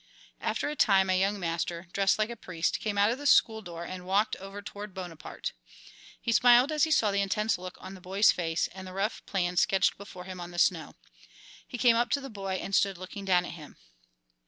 After a time a young master, dressed like a priest, came out of the school door and walked over toward Bonaparte. He smiled as he saw the intense look on the boy's face, and the rough plan sketched before him on the snow. He came up to the boy and stood looking down at him.